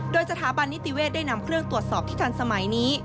โดยสถาบันนิติเวศได้นำเครื่องตรวจสอบที่ทันสมัยนี้